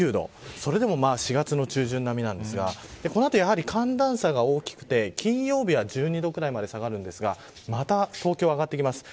それでも４月の中旬並みなんですがこの後は寒暖差が大きくて金曜日は１２度くらいまで下がるんですがまた上がってきます。